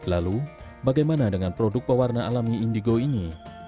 lalu bagaimana dengan produk pewarna alami indigo ini